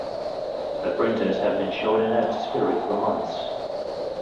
The printers have been showing a nasty spirit for months.